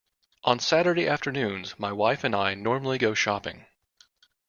On Saturday afternoons my wife and I normally go shopping